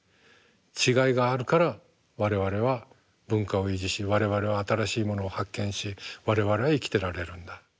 違いがあるから我々は文化を維持し我々は新しいものを発見し我々は生きてられるんだ。